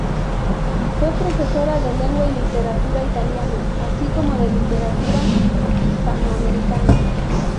Fue profesora de lengua y literatura italiana, así como de literatura hispano-americana.